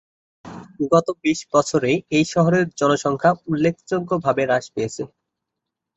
গত বিশ বছরে এই শহরের জনসংখ্যা উল্লেখযোগ্য ভাবে হ্রাস পেয়েছে।